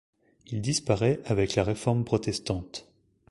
Il disparaît avec la Réforme protestante.